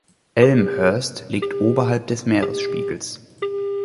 Elmhurst liegt oberhalb des Meeresspiegels.